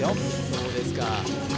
そうですか